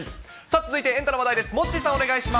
続いてはエンタの話題です。